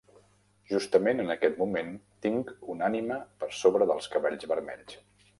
Justament en aquest moment tinc una ànima per sobre dels cabells vermells.